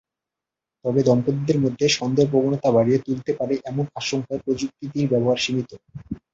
তবে দম্পতিদের মধ্যে সন্দেহপ্রবণতা বাড়িয়ে তুলতে পারে এমন আশঙ্কায় প্রযুক্তিটির ব্যবহার সীমিত।